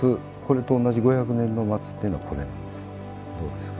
どうですか？